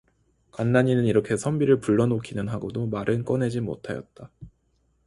간난이는 이렇게 선비를 불러 놓기는 하고도 말은 꺼내지 못하였다.